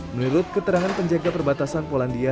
menurut keterangan penjaga perbatasan polandia